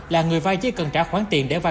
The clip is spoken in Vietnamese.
là người vay chỉ cần trả khoản tiền để vay